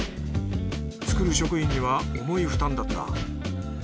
作る職員には重い負担だった。